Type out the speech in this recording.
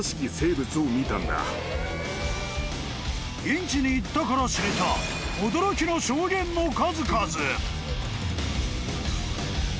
［現地に行ったから知れた驚きの証言の数々］